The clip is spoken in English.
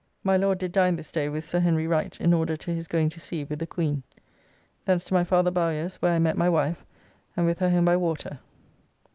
My Lord did dine this day with Sir Henry Wright, in order to his going to sea with the Queen. Thence to my father Bowyer's where I met my wife, and with her home by water.